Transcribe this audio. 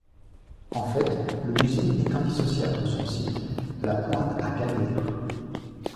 En fait, le musée est indissociable de son site, la Pointe-à-Callière.